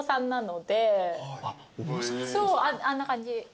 そうあんな感じ。